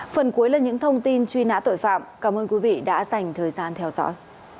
phần cuối là những thông tin truy nã tội phạm cảm ơn quý vị đã dành thời gian theo dõi